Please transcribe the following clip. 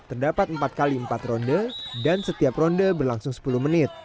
terdapat empat x empat ronde dan setiap ronde berlangsung sepuluh menit